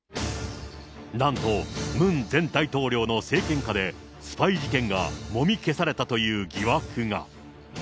なんと、ムン前大統領の政権下で、スパイ事件がもみ消されたという疑惑が。